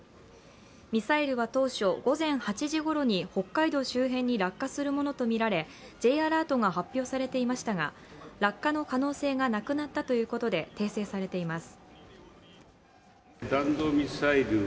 ミサイルは当初、午前８時ごろに北海道周辺に落下するものとみられＪアラートが発表されていましたが落下の可能性がなくなったということで訂正されています。